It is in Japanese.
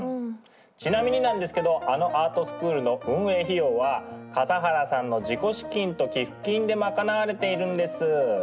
ちなみになんですけどあのアートスクールの運営費用は笠原さんの自己資金と寄付金で賄われているんです。